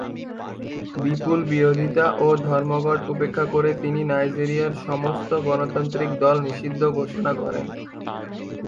বিপুল বিরোধিতা ও ধর্মঘট উপেক্ষা করে তিনি নাইজেরিয়ার সমস্ত গণতান্ত্রিক দল নিষিদ্ধ ঘোষণা করেন।